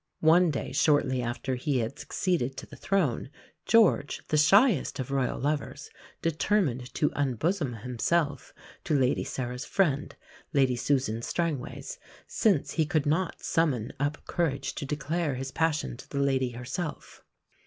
One day shortly after he had succeeded to the throne, George, the shyest of Royal lovers, determined to unbosom himself to Lady Sarah's friend, Lady Susan Strangways, since he could not summon up courage to declare his passion to the lady herself.